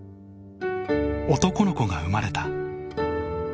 「男の子が生まれた」